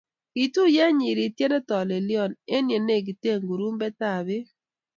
Kituyie nyeretyet ne tolelyon eng' yenekite kurumbetab beek.